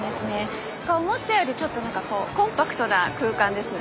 思ったよりちょっと何かコンパクトな空間ですね。